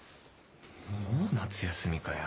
もう夏休みかよ。